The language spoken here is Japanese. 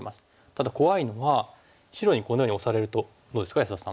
ただ怖いのは白にこのようにオサれるとどうですか安田さん。